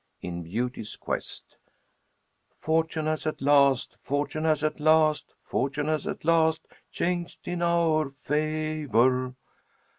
IN BEAUTY'S QUEST "Fortune has at last fortune has at last Fortune has at last changed in our fa vor!"